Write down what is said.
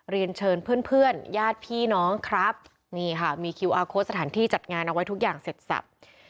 เรียนเชิญเพื่อนเพื่อนญาติพี่น้องครับนี่ค่ะมีคิวอาร์โค้ดสถานที่จัดงานเอาไว้ทุกอย่างเสร็จสับ